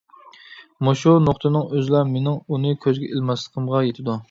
مۇشۇ نۇقتىنىڭ ئۆزىلا مېنىڭ ئۇنى كۆزگە ئىلماسلىقىمغا يېتىدۇ.